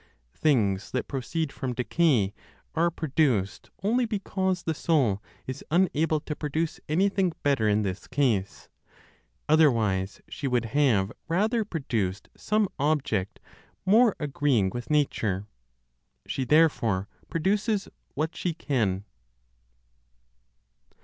Things that proceed from decay are produced only because the Soul is unable to produce anything better in this case; otherwise she would have rather produced some object more agreeing with nature; she therefore produces what she can.